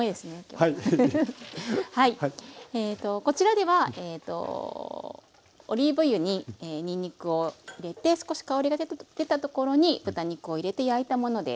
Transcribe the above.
こちらではオリーブ油ににんにくを入れて少し香りが出たところに豚肉を入れて焼いたものです。